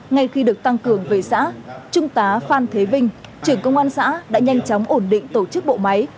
ngay khi được tăng cường về xã trung tá phan thế vinh trưởng công an xã đã nhanh chóng ổn định tổ chức bộ máy